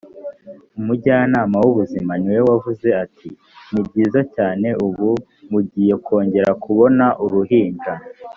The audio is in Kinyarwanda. umujyanama w ubuzima niwe wavuze ati nibyiza cyane ubu mugiye kongera kubona uruhinja